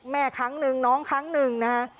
ครั้งหนึ่งน้องครั้งหนึ่งนะฮะ